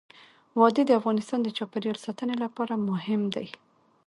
وادي د افغانستان د چاپیریال ساتنې لپاره مهم دي.